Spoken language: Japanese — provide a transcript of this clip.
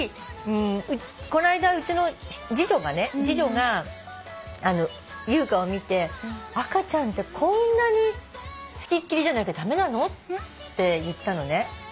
こないだうちの次女が優香を見て「赤ちゃんってこんなに付きっきりじゃなきゃ駄目なの？」って言ったのね。